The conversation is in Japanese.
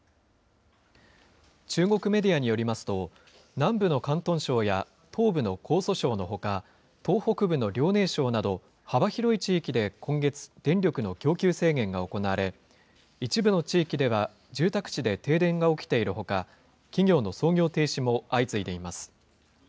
中国メディアによりますと、南部の広東省や東部の江蘇省のほか、東北部の遼寧省など、幅広い地域で今月、電力の供給制限が行われ、一部の地域では住宅地で停電が起きているほか、企業の操業停止も相次いでいます。